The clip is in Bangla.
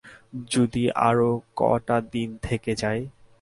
যদি আরও কয়টা দিন থেকে যাই?